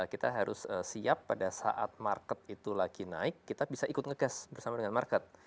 kita harus siap pada saat market itu lagi naik kita bisa ikut ngegas bersama dengan market